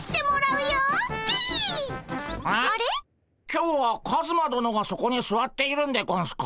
今日はカズマどのがそこにすわっているんでゴンスか？